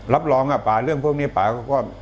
รับรองอ่ะป่าเรื่องพวกนี้ป่าก็